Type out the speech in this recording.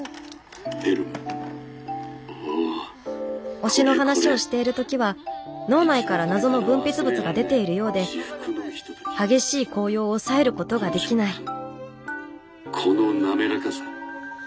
推しの話をしている時は脳内から謎の分泌物が出ているようで激しい高揚を抑えることができない「このなめらかさ」。